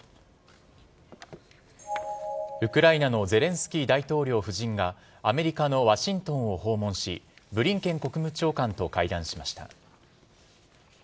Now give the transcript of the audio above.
ウクライナのゼレンスキー大統領夫人が、アメリカのワシントンを訪問し、ブリンケン国務長官と会談しました。